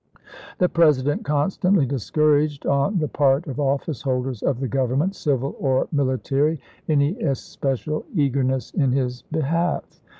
The President constantly discouraged on the part of office holders of the Government, civil or mili tary, any especial eagerness in his behalf.